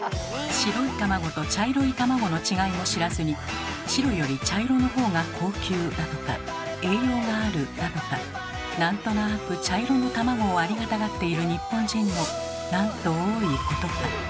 白い卵と茶色い卵の違いも知らずに白より茶色のほうが高級だとか栄養があるだとかなんとなく茶色の卵をありがたがっている日本人のなんと多いことか。